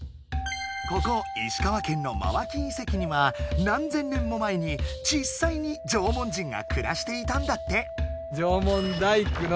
ここ石川県の真脇遺跡には何千年も前にじっさいに縄文人がくらしていたんだって。